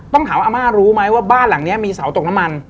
ต้องถามว่าอาม่ารู้ไหมว่าบ้านหลังนี้มีเสาตกน้ำมัน